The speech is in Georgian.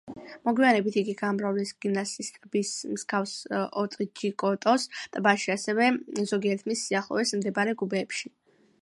მოგვიანებით იგი გაამრავლეს გინასის ტბის მსგავს ოტჯიკოტოს ტბაში, ასევე ზოგიერთ მის სიახლოვეს მდებარე გუბეებში.